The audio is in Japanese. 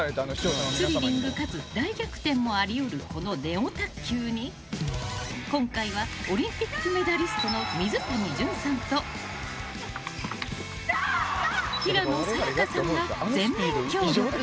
スリリングかつ大逆転もあり得るこのネオ卓球に今回はオリンピックメダリストの水谷隼さんと平野早矢香さんが全面協力。